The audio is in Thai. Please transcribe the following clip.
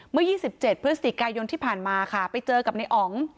เมื่อยี่สิบเจ็ดเพื่อสติกายนที่ผ่านมาค่ะไปเจอกับในองค์